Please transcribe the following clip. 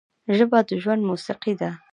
ژبه د ژوند موسیقي ده